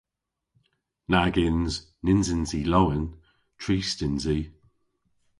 Nag yns. Nyns yns i lowen, trist yns i.